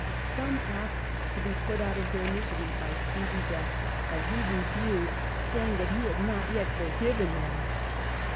Some asked to be put out of their misery by speedy death, but he refused, say ing that he had not yet forgiven them.